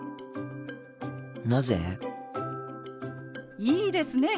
なぜ？いいですね。